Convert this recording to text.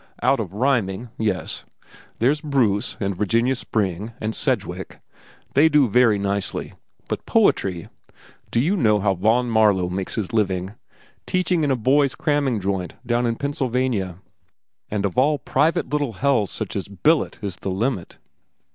Out of rhyming, yes. There's Bruce, and Virginia Spring, and Sedgwick. They do very nicely. But poetry—do you know how Vaughn Marlow makes his living?—teaching in a boys' cramming joint down in Pennsylvania, and of all private little hells such a billet is the limit.